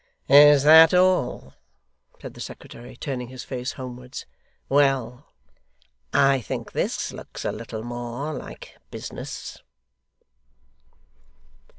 'Is that all?' said the secretary, turning his face homewards. 'Well! I think this looks a little more like business!